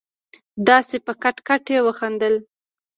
داسې په کټ کټ يې وخندل.